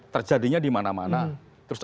terjadinya di mana mana terus